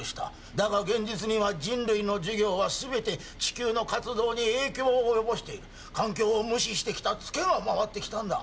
だが現実には人類の事業は全て地球の活動に影響を及ぼしている環境を無視してきたつけが回ってきたんだ